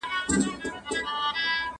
¬ د گل د رويه ځوز هم اوبېږي.